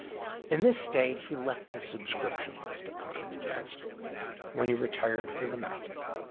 In this state he left the subscription list upon his desk, when he retired for the night.